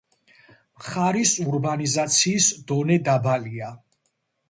მხარის ურბანიზაციის დონე დაბალია.